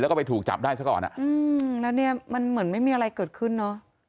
แล้วก็ไปถูกจับได้ซะก่อนอ่ะอืมแล้วเนี่ยมันเหมือนไม่มีอะไรเกิดขึ้นเนอะ